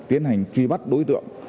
tiến hành truy bắt đối tượng